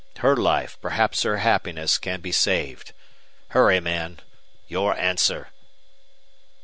Her life, perhaps her happiness, can be saved! Hurry, man! Your answer!"